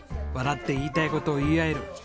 笑って言いたい事を言い合える。